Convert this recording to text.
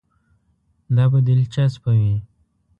دا به دلچسپه وي.